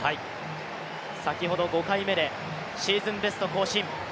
先ほど５回目でシーズンベスト更新。